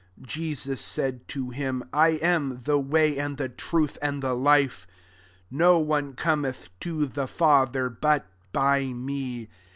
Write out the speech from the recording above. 6 Jesus said to him, " 1 am the way, and the truth, and the life: no one cometh to the Father but by me.